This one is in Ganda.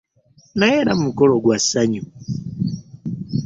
Naye era mukolo gwa ssanyu